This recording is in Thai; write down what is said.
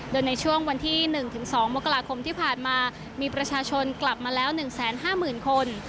โดยในช่วงวันที่๑๒มกราคมที่ผ่านมามีประชาชนกลับมาแล้ว๑๕๐๐๐คน